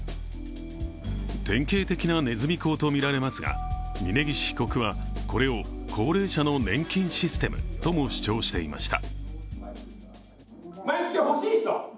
典型的なねずみ講とみられますが、峯岸被告はこれを高齢者の年金システムとも主張していました。